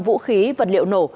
vũ khí vật liệu nổ